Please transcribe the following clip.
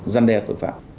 giăn đe tội phạm